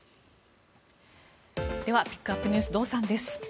では、ピックアップＮＥＷＳ堂さんです。